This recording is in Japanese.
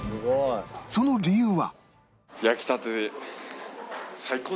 その理由は